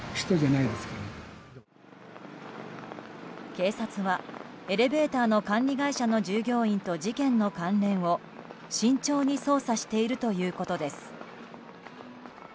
警察はエレベーターの管理会社の従業員と事件の関連を慎重に捜査しているということです。